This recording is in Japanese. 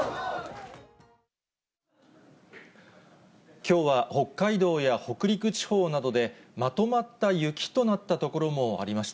きょうは、北海道や北陸地方などで、まとまった雪となった所もありました。